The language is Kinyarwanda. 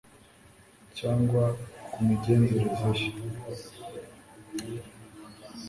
cyangwa ku migenzereze ye